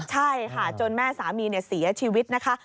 ใช่ค่ะจนแม่สามีเสียชีวิตนะคะ